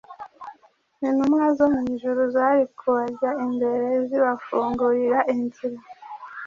intumwa zo mu ijuru zari kubajya imbere zibafungurira inzira;